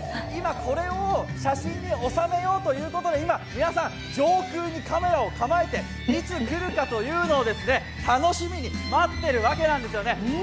これを写真に収めようということで今、皆さん上空にカメラを構えていつ来るかというのを楽しみに待っているわけなんですよね。